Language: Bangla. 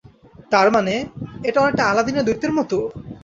তার মানে, এটা অনেকটা আলাদীনের দৈত্যের মতো?